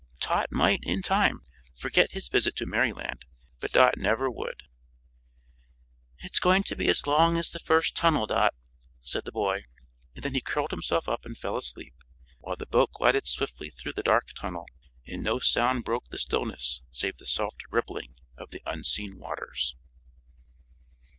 Tot might, in time, forget his visit to Merryland, but Dot never would. "It's goin' to be as long as the first tun'l, Dot," said the boy; and then he curled himself up and fell asleep, while the boat glided swiftly through the dark tunnel, and no sound broke the stillness save the soft rippling of the unseen waters.